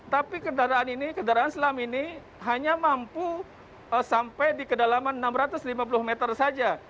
tapi kendaraan ini kendaraan selam ini hanya mampu sampai di kedalaman enam ratus lima puluh meter saja